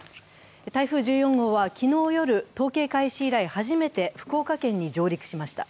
台風１４号は昨日夜、統計開始以来初めて福岡県に上陸しました。